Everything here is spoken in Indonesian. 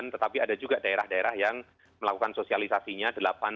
tetapi ada juga daerah daerah yang melakukan sosialisasinya delapan sembilan sepuluh